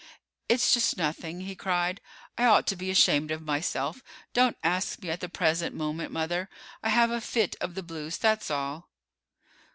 "It's just nothing," he cried. "I ought to be ashamed of myself. Don't ask me at the present moment, mother. I have a fit of the blues, that's all."